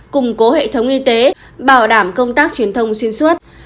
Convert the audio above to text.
củng cố hệ thống y tế bảo đảm công tác truyền thông xuyên suốt